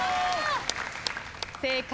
正解。